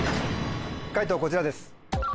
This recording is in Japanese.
解答こちらです。